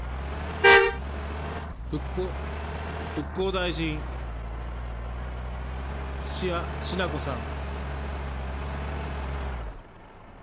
復興大臣、土屋品子さん。